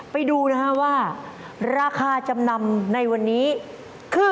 ไปดูนะฮะว่าราคาจำนำในวันนี้คือ